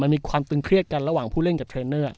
มันมีความตึงเครียดกันระหว่างผู้เล่นกับเทรนเนอร์